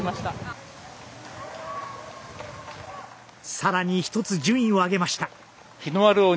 さらに１つ、順位を上げました。